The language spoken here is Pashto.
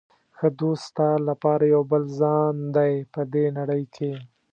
ښه دوست ستا لپاره یو بل ځان دی په دې نړۍ کې.